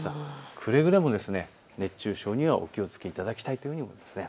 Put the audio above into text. くれぐれも熱中症にはお気をつけいただきたいと思います。